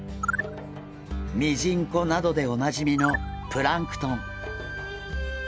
ミジンコなどでおなじみのプランクトン。